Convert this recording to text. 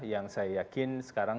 yang saya yakin sekarang